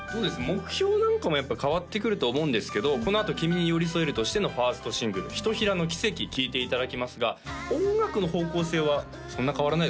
目標なんかもやっぱり変わってくると思うんですけどこのあときみにＹＯＲＩＳＯＥＲＵとしてのファーストシングル「ひとひらのキセキ」聴いていただきますが音楽の方向性はそんな変わらないですか？